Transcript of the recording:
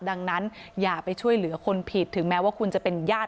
ดังนั้นอย่าไปช่วยเหลือคนผิดถึงแม้ว่าคุณจะเป็นญาติ